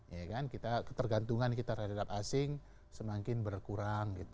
ya kan kita ketergantungan kita terhadap asing semakin berkurang